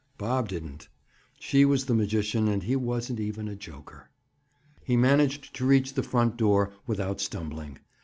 Bob didn't. She was the magician and he wasn't even a joker. He managed to reach the front door without stumbling.